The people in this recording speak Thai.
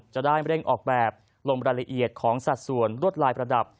จะได้เร่งออกแบบลงรายละเอียดของสัดส่วนรวดลายประดับ